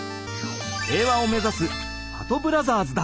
平和を目指すはとブラザーズだ！